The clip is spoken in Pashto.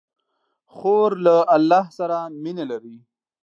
خور له الله سره مینه لري.